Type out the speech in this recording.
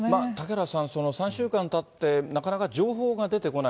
嵩原さん、３週間たって、なかなか情報が出てこない。